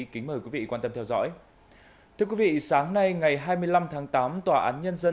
kính mời quý vị quan tâm theo dõi thưa quý vị sáng nay ngày hai mươi năm tháng tám tòa án nhân dân